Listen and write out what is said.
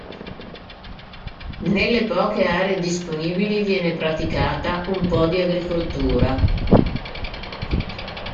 Nelle poche aree disponibili viene praticata un po' di agricoltura.